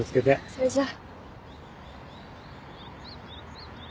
それじゃあ。